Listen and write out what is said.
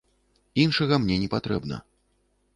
Іншага мне не патрэбна.